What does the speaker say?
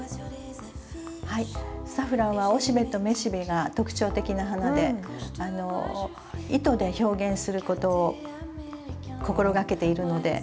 はいサフランは雄しべと雌しべが特徴的な花で糸で表現することを心がけているので。